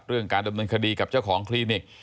เรื่องการดำเนินคดีกับเจ้าของคลินิก